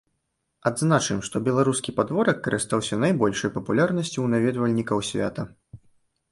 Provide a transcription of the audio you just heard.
Адзначым, што беларускі падворак карыстаўся найбольшай папулярнасцю ў наведвальнікаў свята.